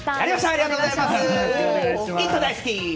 ありがとうございます！